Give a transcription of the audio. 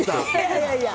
いやいや。